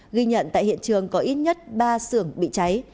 ghi nhận tại hiện trường có ít nhất ba xưởng bị cháy